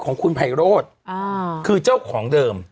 ของคุณไพโรธคือเจ้าของเดิม